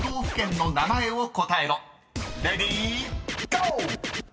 ［レディーゴー！］